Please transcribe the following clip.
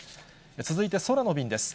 続いて空の便です。